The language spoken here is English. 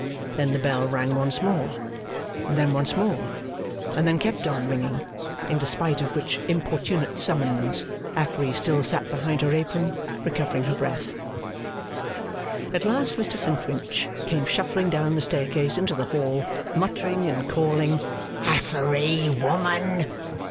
Then the bell rang once more, and then once more, and then kept on ringing; in despite of which importunate summons, Affery still sat behind her apron, recovering her breath. At last Mr Flintwinch came shuffling down the staircase into the hall, muttering and calling 'Affery woman!